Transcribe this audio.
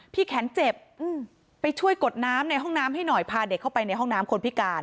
แขนเจ็บไปช่วยกดน้ำในห้องน้ำให้หน่อยพาเด็กเข้าไปในห้องน้ำคนพิการ